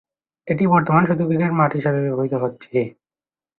এটি বর্তমানে শুধুমাত্র ক্রিকেট মাঠ হিসেবে ব্যবহৃত হচ্ছে।